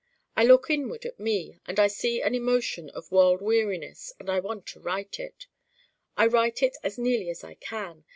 I look inward at Me and I see an emotion of World Weariness and want to write it. I write it as nearly as I can.